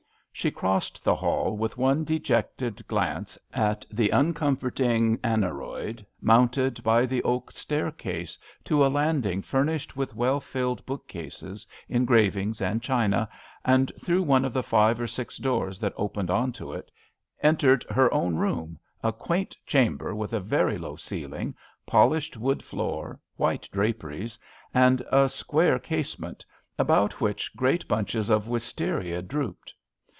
She crossed the hall with one dejected glance at the uncomforting aneroid, mounted by the oak staircase, to a landing furnished with well iilled book cases, engravings, and china, and, through one of the five or six doors that opened on to it, entered her own room — a quaint chamber with a very low ceil ing, polished wood floor, white draperies and a square casement, about which great bunches of wisteria drooped.